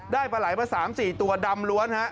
ได้ปลายไหล่มา๓๔ตัวดำล้วน